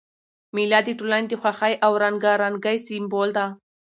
مېله د ټولني د خوښۍ او رنګارنګۍ سېمبول ده.